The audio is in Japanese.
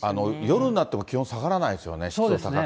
夜になっても気温下がらないですよね、湿度高くてね。